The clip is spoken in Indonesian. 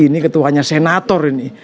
ini ketuanya senator ini